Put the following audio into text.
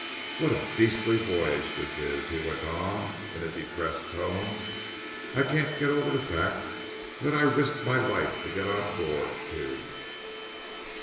What a beastly voyage this is!" he went on, in a depressed tone. "I can't get over the fact that I risked my life to get on board, too."